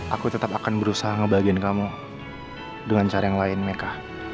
aku tetap akan berusaha ngebagiin kamu dengan cara yang lain mereka